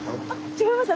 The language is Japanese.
違います。